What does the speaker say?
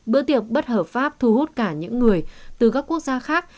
bữa tiệc bất hợp pháp thu hút cả những người từ các quốc gia khác